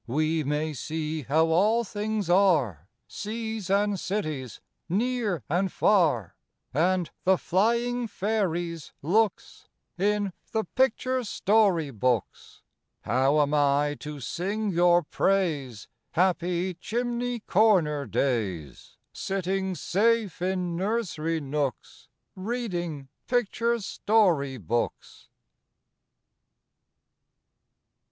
We may see how all things are, Seas and cities, near and far, And the flying fairies' looks, In the picture story books. How am I to sing your praise, Happy chimney corner days, Sitting safe in nursery nooks, Reading picture story books?